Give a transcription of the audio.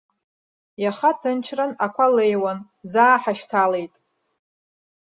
Иаха ҭынчран, ақәа леиуан, заа ҳашьҭалеит.